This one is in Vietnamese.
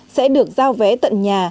sẽ được giao vé tận nhà